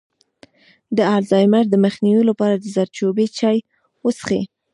د الزایمر د مخنیوي لپاره د زردچوبې چای وڅښئ